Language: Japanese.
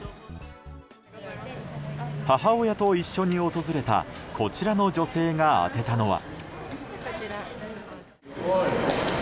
母親と一緒に訪れたこちらの女性が当てたのは。